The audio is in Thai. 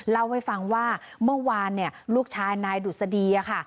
เล่าให้ฟังว่าเมื่อวานลูกชายนายดุษฎีค่ะ